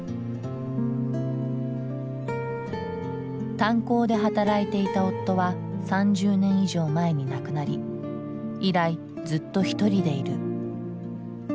炭鉱で働いていた夫は３０年以上前に亡くなり以来ずっと一人でいる。